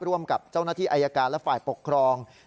ร่วมกับเจ้าหน้าที่อายการและฝ่ายปกครอง